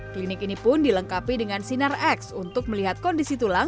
klinik ini pun dilengkapi dengan sinar x untuk melihat kondisi tulang